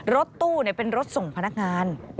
รถตู้เป็นรถส่งพนักงาน